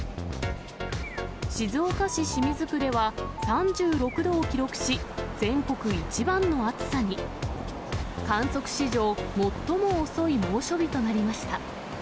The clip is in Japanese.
静岡市清水区では、３６度を記録し、全国一番の暑さに。観測史上最も遅い猛暑日となりました。